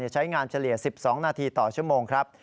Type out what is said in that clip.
ใช้งานเฉลี่ย๑๒นาทีต่อชั่วโมงครับ